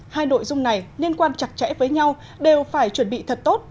hai nội dung này liên quan chặt chẽ với nhau đều phải chuẩn bị thật tốt